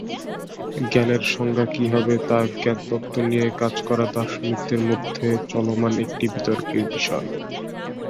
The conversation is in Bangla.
জ্ঞানের সংজ্ঞা কি হবে তা জ্ঞানতত্ত্ব নিয়ে কাজ করা দার্শনিকদের মধ্যে চলমান একটি বিতর্কের বিষয়।